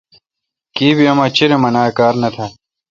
کیبی اما چریم انا کار نہ تال۔